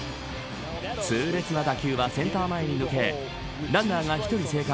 痛烈な打球はセンター前に抜けランナーが１人生還。